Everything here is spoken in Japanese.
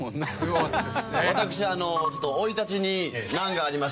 「私生い立ちに難がありまして」